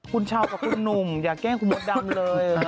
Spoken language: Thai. คุณชาวกับคุณหนุ่มอย่าแกล้งคุณมดดำเลย